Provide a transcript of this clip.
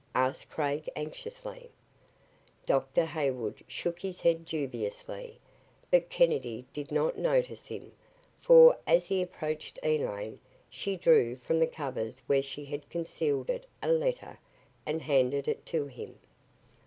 asked Craig, anxiously. Dr. Hayward shook his head dubiously, but Kennedy did not notice him, for, as he approached Elaine, she drew from the covers where she had concealed it a letter and handed it to him.